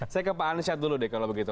saya ke pak ansyad dulu deh kalau begitu